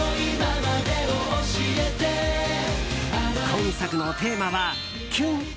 今作のテーマは、キュン。